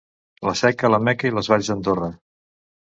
La Seca, la Meca i les Valls d'Andorra.